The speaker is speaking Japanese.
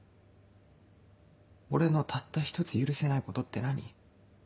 俺のたった１つ許せないことって何？